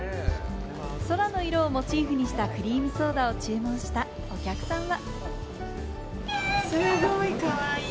空の色をモチーフにしたクリームソーダを注文したお客さんは。